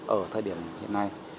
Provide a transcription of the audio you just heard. ở thời điểm này